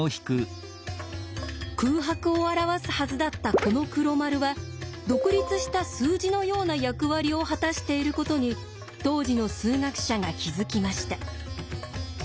空白を表すはずだったこの黒丸は独立した数字のような役割を果たしていることに当時の数学者が気付きました。